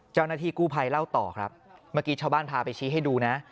เจ้าหน้าที่กู้ภัยเล่าต่อครับเมื่อกี้ชาวบ้านพาไปชี้ให้ดูนะ